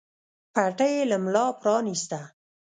پټۍ يې له ملا پرانېسته.